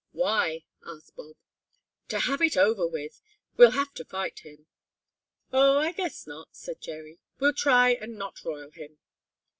"Why?" asked Bob. "To have it over with. We'll have to fight him." "Oh, I guess not," said Jerry. "We'll try and not roil him."